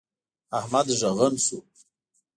احمد ږغن شو.